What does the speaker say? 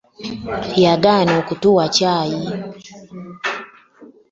Yagana okutuwa ccayi.